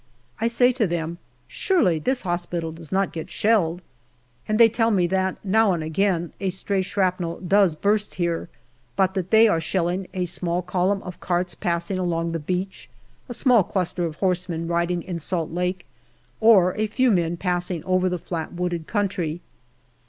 I say to them, " Surely this hospital does not get shelled ?" And they tell me that now and again a stray shrapnel does burst here, but that they are shelling a small column of carts passing along the beach, a small cluster of horsemen riding in Salt Lake, or a few men passing over the flat wooded country.